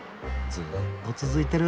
ずっと続いてる。